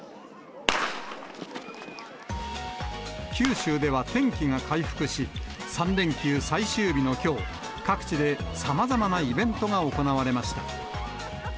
九州では天気が回復し、３連休最終日のきょう、各地で様々なイベントが行われました。